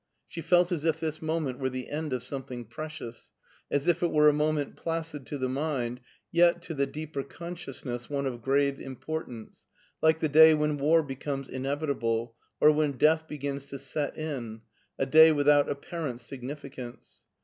She felt as if this moment were the end of something precious, as if it were a moment placid to the mind, yet, to the deeper consciousness, one of grave importance, like the day when war becomes inevitable, or when death begins to set in — Si day without apparent significance.